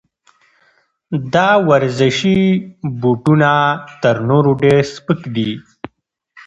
دا ورزشي بوټونه تر نورو ډېر سپک دي.